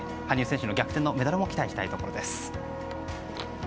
羽生選手の逆転のメダルも期待したいところです。